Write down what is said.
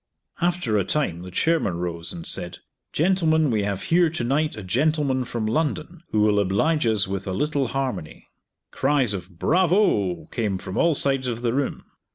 After a time the chairman rose and said, "Gentlemen, we have here to night a gentleman from London, who will oblige us with a little harmony." Cries of "Bravo!" came from all sides of the room.